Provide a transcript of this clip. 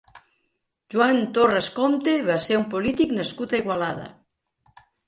Joan Torras Compte va ser un polític nascut a Igualada.